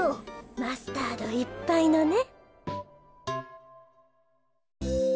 マスタードいっぱいのね。